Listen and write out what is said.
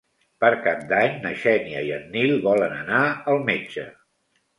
Per Cap d'Any na Xènia i en Nil volen anar al metge.